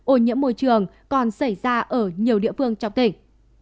ô nhiễm môi trường còn xảy ra ở nhiều địa phương trong tỉnh